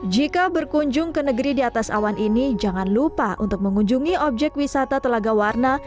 jika berkunjung ke negeri di atas awan ini jangan lupa untuk mengunjungi objek wisata telaga warna